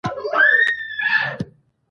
بلبل په ګلونو کې ښه ښکاري